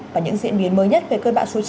và những diễn biến mới nhất về cơn bão số chín